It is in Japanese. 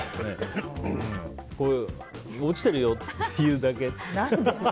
落ちてるよっていうだけ。